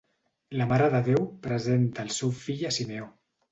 La Mare de Déu presenta el seu fill a Simeó.